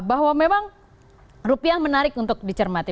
bahwa memang rupiah menarik untuk dicermati